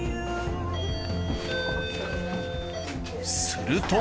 すると。